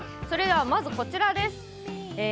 それでは、まずこちらです。